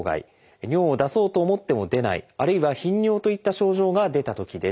尿を出そうと思っても出ないあるいは頻尿といった症状が出たときです。